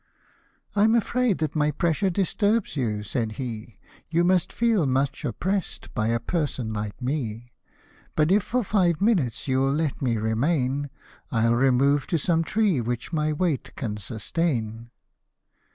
" I'm afraid that my pressure disturbs you," said he, " You must feel much oppressed by a person like me ; But if for five minutes you'll let me remain, I'll remove to some tree which my weight can sustain."